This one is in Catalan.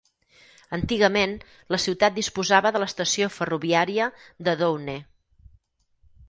Antigament la ciutat disposava de l'estació ferroviària de Doune.